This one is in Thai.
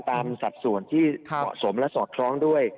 สัดส่วนที่เหมาะสมและสอดคล้องด้วย